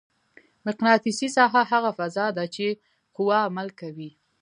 مقناطیسي ساحه هغه فضا ده چې قوه عمل کوي.